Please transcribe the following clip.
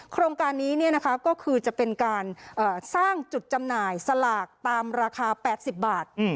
โครงการนี้ก็คือจะเป็นการสร้างจุดจำหน่ายสลากตามราคา๘๐บาท